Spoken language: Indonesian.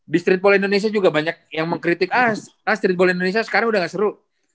di streetball indonesia juga banyak yang mengkritik ah streetball indonesia sekarang udah gak seru